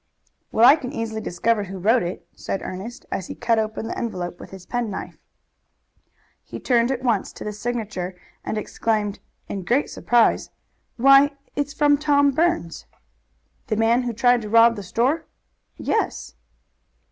"Well, I can easily discover who wrote it," said Ernest, as he cut open the envelope with his penknife. He turned at once to the signature, and exclaimed, in great surprise, "Why, it's from Tom Burns." "The man who tried to rob the store?" "Yes."